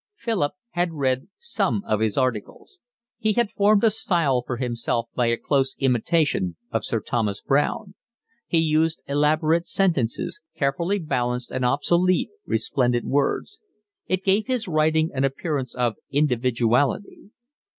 Philip had read some of his articles. He had formed a style for himself by a close imitation of Sir Thomas Browne; he used elaborate sentences, carefully balanced, and obsolete, resplendent words: it gave his writing an appearance of individuality.